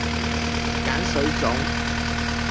鹼水粽